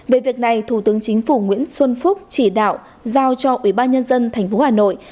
về việc này thủ tướng chính phủ nguyễn xuân phúc chỉ đạo giao cho ubnd tp hà nội